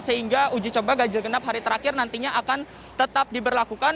sehingga uji coba ganjil genap hari terakhir nantinya akan tetap diberlakukan